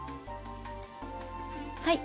はい。